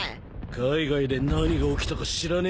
海外で何が起きたか知らねえが見ろ